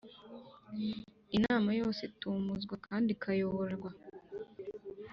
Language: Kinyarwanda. Inama yose itumuzwa kandi ikayoborwa